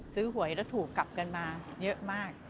หวยแล้วถูกกลับกันมาเยอะมาก